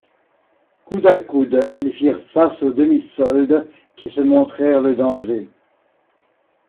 Coude à coude, ils firent face aux demi-soldes, qui se montrèrent le danger.